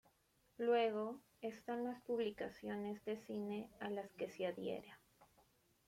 Luego, están las publicaciones de cine a las que se adhiera.